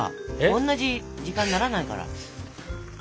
おんなじ時間にならないから。